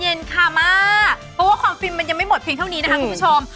เย็นค่ะมาเพราะว่าความฟิมันจะไม่หมดพิงเท่านี้นะคะคุณผู้ชม